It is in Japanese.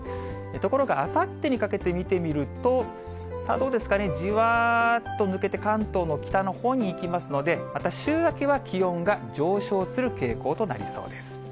ところがあさってにかけて見てみると、どうですかね、じわっと抜けて、関東の北のほうに行きますので、また週明けは気温が上昇する傾向となりそうです。